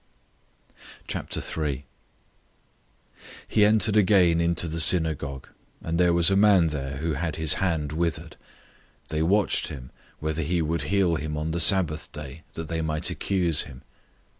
003:001 He entered again into the synagogue, and there was a man there who had his hand withered. 003:002 They watched him, whether he would heal him on the Sabbath day, that they might accuse him.